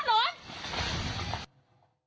โอ่โห